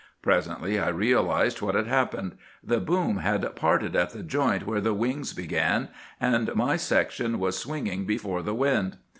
"Presently I realized what had happened. The boom had parted at the joint where the wings began, and my section was swinging before the wind.